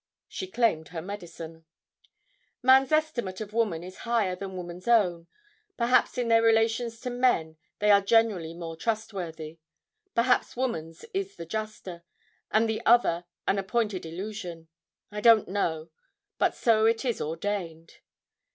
She claimed her medicine. Man's estimate of woman is higher than woman's own. Perhaps in their relations to men they are generally more trustworthy perhaps woman's is the juster, and the other an appointed illusion. I don't know; but so it is ordained.